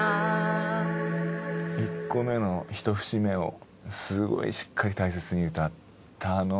１個目の１節目をすごいしっかり大切に歌ったあの。